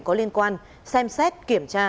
có liên quan xem xét kiểm tra